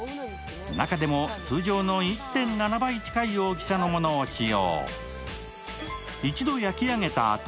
中でも通常の１．７倍近い大きさのものを使用。